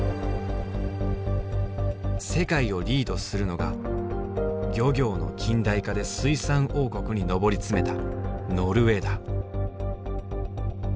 世界をリードするのが「漁業の近代化」で水産王国に上り詰めたノルウェーだ。